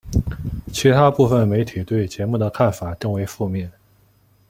其它部分媒体对节目的看法更为负面。